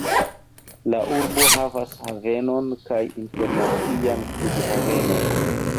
La urbo havas havenon kaj internacian flughavenon.